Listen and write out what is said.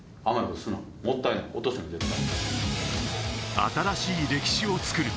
新しい歴史を作る。